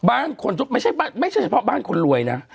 บ้านคนไม่ใช่เฉพาะบ้านคนรวยนะ